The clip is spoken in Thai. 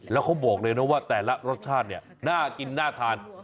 แล้วเขาบอกเลยนะว่าแต่ละรสชาติเนี่ยน่ากินน่าทาน